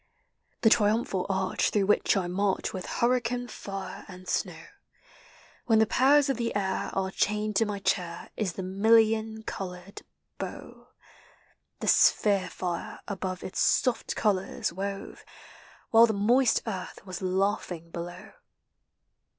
The triumphal arch through which I march With hurricane, fire, and snow. When the powers of the ail are chained to my chair, Is the million colored bow; The sphere tire above its soft colors wove, While the moist earth was Laughing below.